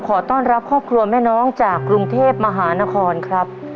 ขอต้อนรับครอบครัวแม่น้องจากกรุงเทพมหานครครับ